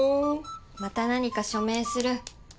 また何か署名する？